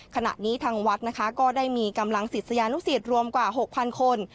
ขณะนี้ทางวัดนะคะก็ได้มีกำลังศิษยานุสิตรวมกว่า๖๐๐คน